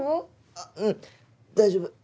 あっうん大丈夫。